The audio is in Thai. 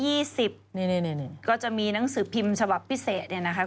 นี่ก็จะมีหนังสือพิมพ์ฉบับพิเศษเนี่ยนะคะ